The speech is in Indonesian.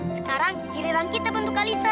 sekarang kiriran kita bantu kak alisa